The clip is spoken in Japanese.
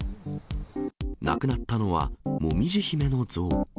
なくなったのは、もみじ姫の像。